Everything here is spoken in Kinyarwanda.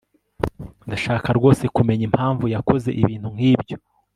ndashaka rwose kumenya impamvu yakoze ibintu nkibyo